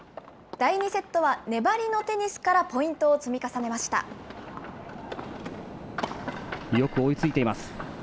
第２セットは粘りのテニスからポよく追いついています。